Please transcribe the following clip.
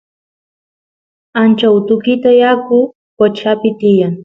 ancha utukita yaku qochapi tiyan